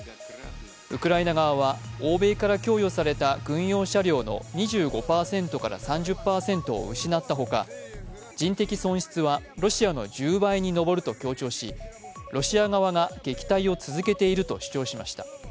ウクライナ側は欧米から供与された軍用車両の２５％から３０％を失ったほか人的損失はロシアの１０倍に上ると強調しロシア側が撃退を続けていると主張しました。